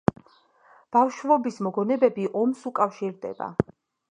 ბავშვობის მოგონებები ომს უკავშირდება.